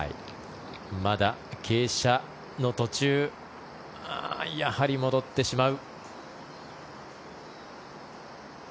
まだ、傾斜の途中やはり戻ってしまう。